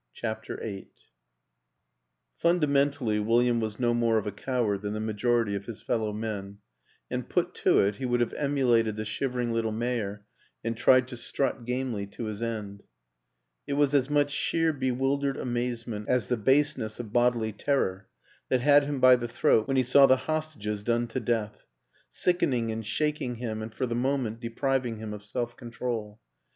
CHAPTER VIII FUNDAMENTALLY William was no more of a coward than the majority of his fellow men, and, put to it, he would have emulated the shivering little mayor and tried to strut gamely to his end; it was as much sheer bewildered amazement as the baseness of bodily terror that had him by the throat when he saw the hostages done to death sickening and shak ing him and, for the moment, depriving him of self control.